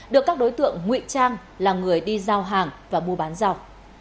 được các đối tượng ngụy trang là người đi giao hàng và mua bán giao